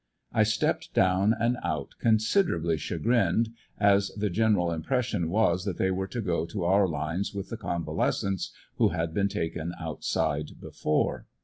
I stepped down and out considerably chagrinned, as the general impression was that they were to go to our lines with the convalescents who had been taken outside before.